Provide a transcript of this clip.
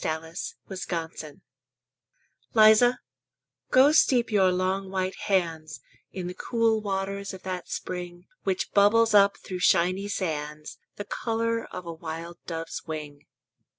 SPRING PASTORAL Liza, go steep your long white hands In the cool waters of that spring Which bubbles up through shiny sands The color of a wild dove's wing.